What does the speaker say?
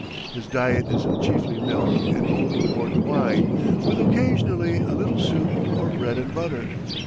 His diet is chiefly milk and old port wine, with occasionally a little soup or bread and butter.